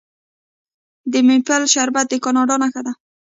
د میپل شربت د کاناډا نښه ده.